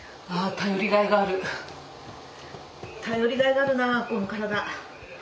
頼りがいがあるなこの体。